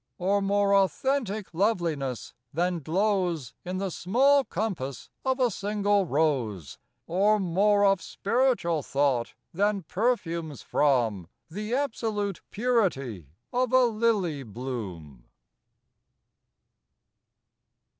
Or more authentic loveliness than glows In the small compass of a single rose? Or more of spiritual thought than perfumes from The absolute purity of a lily bloom?